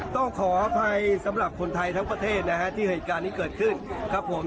ต้องขออภัยสำหรับคนไทยทั้งประเทศนะฮะที่เหตุการณ์นี้เกิดขึ้นครับผม